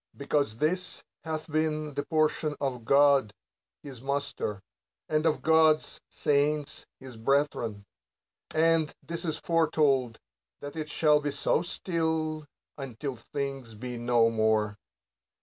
Because this hath been the portion of God his Master, and of God's saints his brethren ; and this is foretold, that it shall be so still, until things be no more.